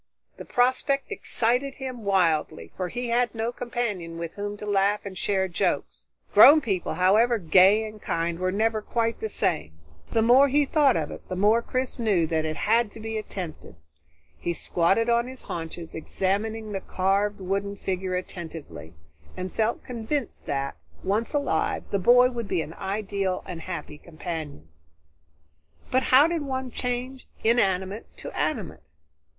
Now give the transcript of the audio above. The prospect excited him wildly, for he had no companion with whom to laugh and share jokes. Grown people, however gay and kind, were never quite the same. The more he thought of it, the more Chris knew it had to be attempted. He squatted on his haunches, examining the carved wooden figure attentively, and felt convinced that, once alive, the boy would be an ideal and happy companion. But how did one change inanimate to animate?